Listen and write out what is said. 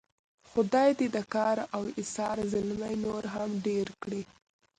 خدای دې د کار او ایثار زلمي نور هم ډېر کړي.